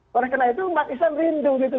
oleh karena itu umat islam rindu gitu